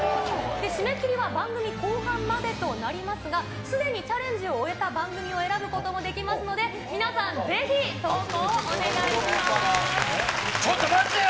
締め切りは番組後半までとなりますが、すでにチャレンジを終えた番組を選ぶこともできますので、皆さん、ちょっと待ってよ！